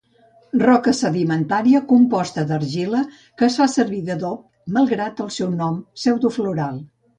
Roca sedimentària composta d'argila que es fa servir d'adob malgrat el seu nom pseudofloral.